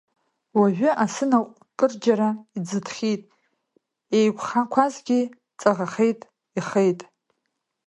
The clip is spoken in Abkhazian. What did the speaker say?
Уажәы асынаҟә кырџьара иӡыҭхьеит, еиқәхақәазгьы ҵаӷахеит, ихеит.